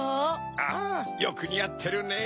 ああよくにあってるねぇ。